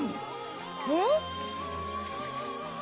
えっ？